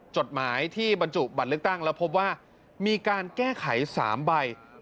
จดหมายที่บรรจุบัตรเลือกตั้งแล้วพบว่ามีการแก้ไข๓ใบ